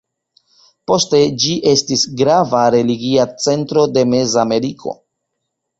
Poste ĝi estis grava religia centro de Meza Ameriko.